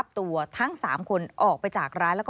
สวัสดีครับทุกคน